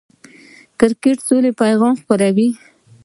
کرکټ د سولې پیغام خپروي.